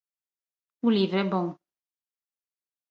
O livro é bom.